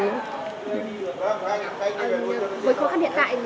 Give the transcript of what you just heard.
với khó khăn hiện tại